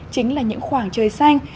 chính là những khoảng trời xanh